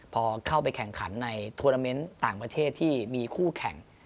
พอเข้าไปแข่งขันในทวนาเมนต์ต่างประเทศที่มีคู่แข่ง